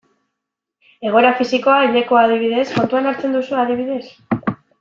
Egoera fisikoa, hilekoa, adibidez, kontuan hartzen duzue adibidez?